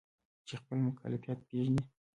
چې خپل مکلفیت پیژني.